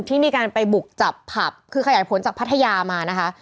ที่มีการไปบุกจับผับคือขยายผลจากพัทยามานะคะ